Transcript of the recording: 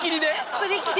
すり切り。